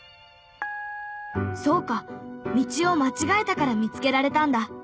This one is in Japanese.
そうか道を間違えたから見つけられたんだ。